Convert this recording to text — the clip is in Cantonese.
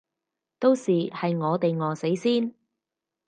到時係我哋餓死先